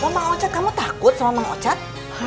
kenapa emang ocat kamu takut sama emang ocat